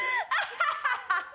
ハハハハ！